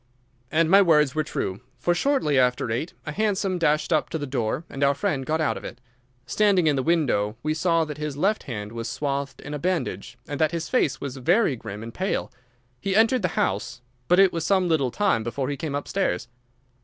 And my words were true, for shortly after eight a hansom dashed up to the door and our friend got out of it. Standing in the window we saw that his left hand was swathed in a bandage and that his face was very grim and pale. He entered the house, but it was some little time before he came upstairs.